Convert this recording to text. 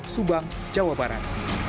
subang jawa barat